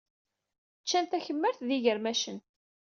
Ččant takemmart ed yigermacen.